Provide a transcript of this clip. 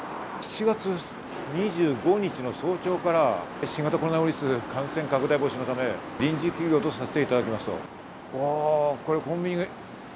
７月２５日の早朝から新型コロナウイルス感染拡大防止のため、しばらくの間、臨時休業とさせていただきます。